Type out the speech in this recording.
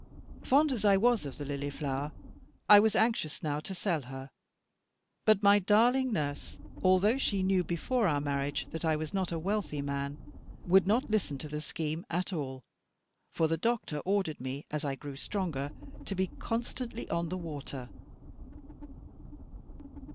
Fond as I was of the "Lily flower," I was anxious now to sell her; but my darling nurse, although she knew before our marriage that I was not a wealthy man, would not listen to the scheme at all; for the doctor ordered me, as I grew stronger, to be constantly on the water.